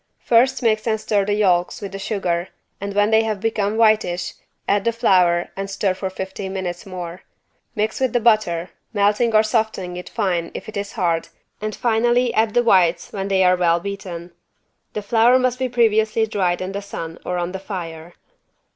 First mix and stir the yolks with the sugar and when they have become whitish, add the flour and stir for fifteen minutes more. Mix with the butter, melting or softening it fine if it is hard and finally add the whites when they are well beaten. The flour must be previously dried in the sun or on the fire.